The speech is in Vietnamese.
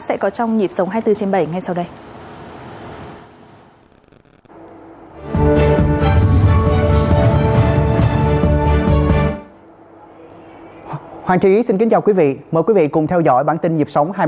sẽ có trong nhịp sống hai mươi bốn h